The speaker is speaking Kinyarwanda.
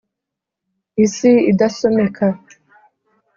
isi idasomeka.